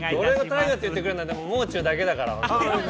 俺が太陽って言ってくれるのはもう中だけだから。